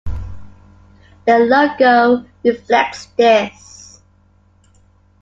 The logo reflects this.